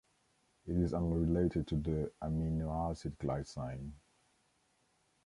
It is unrelated to the amino acid glycine.